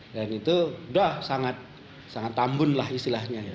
dan itu sudah sangat tambun lah istilahnya